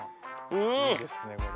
いいですねこれ。